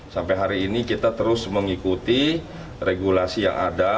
sampai hari ini kita terus mengikuti regulasi yang ada